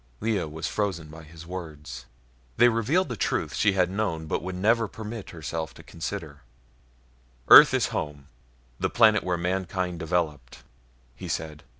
Lea was frozen by his words. They revealed a truth she had known, but would never permit herself to consider. "Earth is home, the planet where mankind developed," he said.